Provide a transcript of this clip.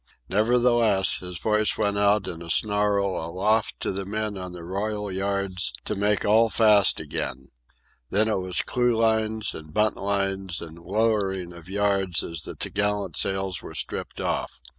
Nevertheless, his voice went out in a snarl aloft to the men on the royal yards to make all fast again. Then it was clewlines and buntlines and lowering of yards as the topgallant sails were stripped off.